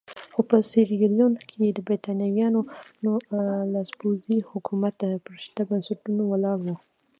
خو په سیریلیون کې د برېټانویانو لاسپوڅی حکومت پر شته بنسټونو ولاړ وو.